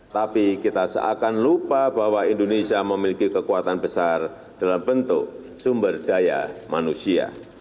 tapi kita seakan lupa bahwa indonesia memiliki kekuatan besar dalam bentuk sumber daya manusia